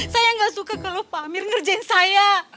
saya gak suka keluh pak amir ngerjain saya